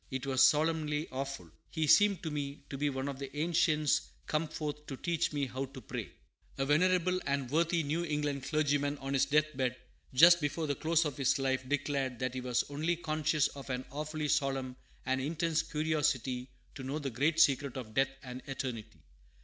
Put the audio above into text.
It was solemnly awful. He seemed to me to be one of the ancients come forth to teach me how to pray." A venerable and worthy New England clergyman, on his death bed, just before the close of his life, declared that he was only conscious of an awfully solemn and intense curiosity to know the great secret of death and eternity.